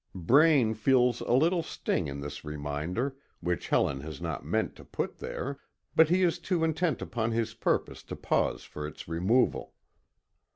Braine feels a little sting in this reminder, which Helen has not meant to put there, but he is too intent upon his purpose to pause for its removal.